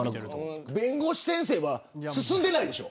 弁護士先生は進んでないでしょ。